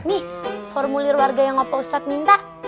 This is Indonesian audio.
nih formulir warga yang opo ustadz minta